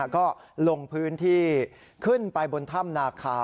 ก็ลงพื้นที่ขึ้นไปบนถ้ำนาคา